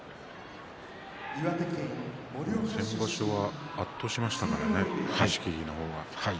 先場所は圧倒しましたからね、錦木の方が。